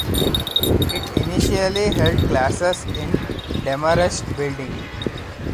It initially held classes in the Demarest Building.